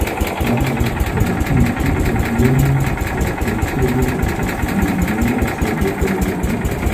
Tamen en tiu ĉi regiono, la specio ne estas indiĝena sed enmetita.